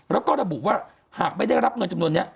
แล้วก็ระบุว่าหากไม่ได้รับเงินจำนวนนี้